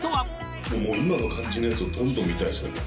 今の感じのやつをどんどん見たいですね